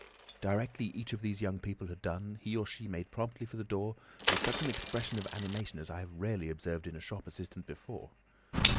Directly each of these young people had done, he or she made promptly for the door with such an expression of animation as I have rarely observed in a shop assistant before.